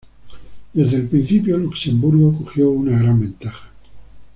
Desde el principio Luxemburgo cogió una gran ventaja.